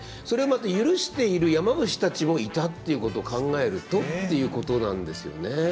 それをまた許している山伏たちもいたっていうことを考えるとっていうことなんですよね。